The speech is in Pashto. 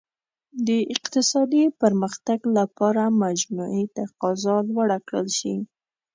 د اقتصادي پرمختګ لپاره مجموعي تقاضا لوړه کړل شي.